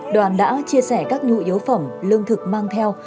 đoàn đã chia sẻ các nhu yếu phẩm lương thực mang theo